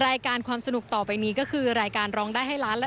รายการความสนุกต่อไปนี้ก็คือรายการร้องได้ให้ล้าน